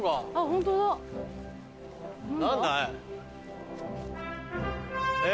ホントだ。何だ？え？